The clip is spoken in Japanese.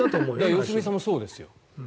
良純さんもそうですよ。